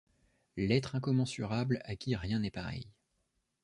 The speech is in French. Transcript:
L’être incommensurable à qui rien n’est pareil